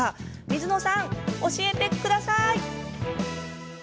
水野さん、教えてください。